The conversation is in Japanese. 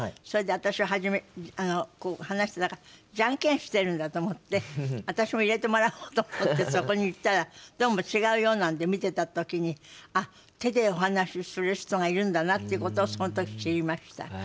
それで私ははじめジャンケンしてるんだと思って私も入れてもらおうと思ってそこに行ったらどうも違うようなので見てた時にあっ手でお話しする人がいるんだなっていうことをその時知りました。